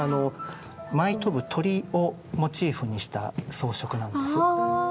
舞い飛ぶ鳥をモチーフにした装飾なんです。